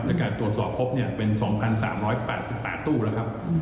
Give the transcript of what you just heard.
จากการตรวจสอบพบเป็น๒๓๘๘ตู้แล้วครับ